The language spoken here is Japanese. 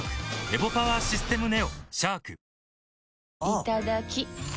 いただきっ！